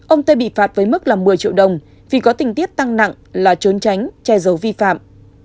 ông tê bị phạt với mức là một mươi triệu đồng vì có tình tiết tăng nặng là trốn tránh che giấu vi phạm